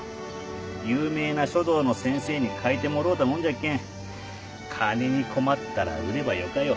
有名な書道の先生に書いてもろうたもんじゃっけん金に困ったら売ればよかよ。